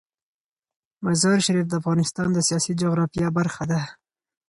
مزارشریف د افغانستان د سیاسي جغرافیه برخه ده.